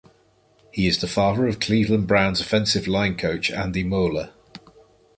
He is the father of Cleveland Browns offensive line coach Andy Moeller.